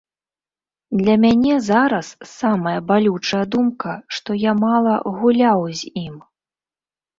Для мяне зараз самая балючая думка, што я мала гуляў з ім.